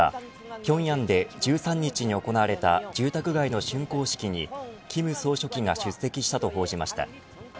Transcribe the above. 平壌で１３日に行われた住宅街の竣工式に金総書記が出席したと報じました。